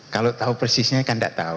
kalau tahu persisnya kan tidak tahu